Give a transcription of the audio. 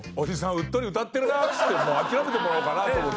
うっとり歌ってるなっつって諦めてもらおうかなと思って。